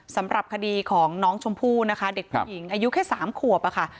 สำหรับคดีของน้องชมพู่นะคะเด็กผู้หญิงอายุแค่๓ขวบอะค่ะ